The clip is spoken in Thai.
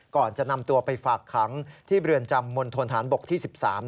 ก่อนจะนำตัวไปฝากขังที่เรือนจำมณฑนฐานบกที่๑๓